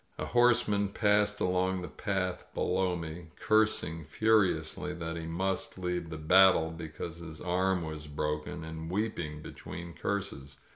A horseman passed along the path below me, cursing furiously that he must leave the battle because his arm was broken, and weeping be tween curses.